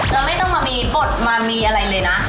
เราไม่ต้องมามีบทมามีอะไรเลยนะ